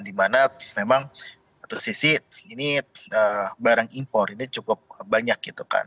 dimana memang satu sisi ini barang impor ini cukup banyak gitu kan